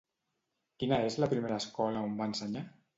Quina és la primera escola on va ensenyar?